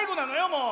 もう。